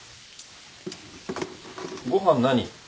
ご飯何？